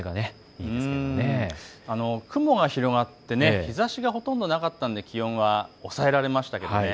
雲が広がって日ざしがほとんどなかったので気温は抑えられましたね。